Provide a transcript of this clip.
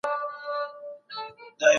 هغه لالټين چي رڼا يې کوله تت و.